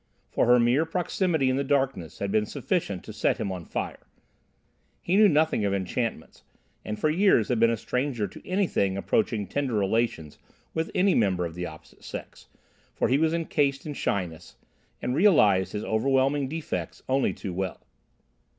For her mere proximity in the darkness had been sufficient to set him on fire. He knew nothing of enchantments, and for years had been a stranger to anything approaching tender relations with any member of the opposite sex, for he was encased in shyness, and realised his overwhelming defects only too well.